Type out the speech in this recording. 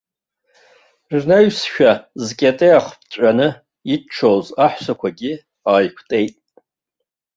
Рнаҩсшәа зкьатеиах ԥҵәаны иччоз аҳәсақәагьы ааиқәтәеит.